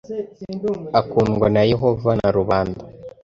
akundwa na Yehova na rubanda